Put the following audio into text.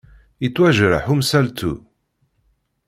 Yettwajreḥ umsaltu!